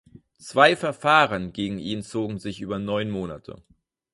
Zwei Verfahren gegen ihn zogen sich über neun Monate.